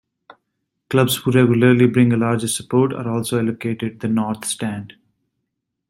Clubs who regularly bring a larger support are also allocated the North Stand.